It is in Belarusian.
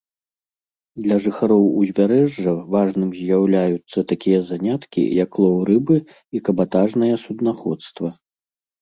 Для жыхароў узбярэжжа важным з'яўляюцца такія заняткі як лоў рыбы і кабатажнае суднаходства.